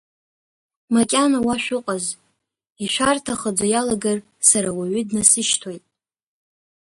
Макьана уа шәыҟаз, ишәарҭахаӡо иалагар сара ауаҩы днасышьҭуеит.